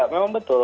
itu memang betul